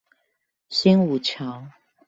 新武橋